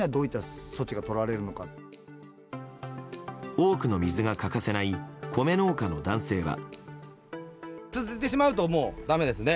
多くの水が欠かせない米農家の男性は。